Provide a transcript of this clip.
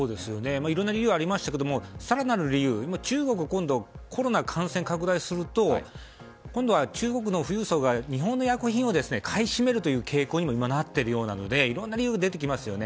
いろいろな理由がありましたけど更なる理由、今、中国今度コロナ感染拡大すると今度は中国の富裕層が日本の薬品を買い占めるという傾向にも今、なっているようなのでいろいろな理由が出てきますよね。